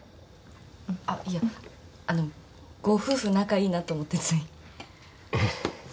あっいやあのご夫婦仲いいなと思ってつい。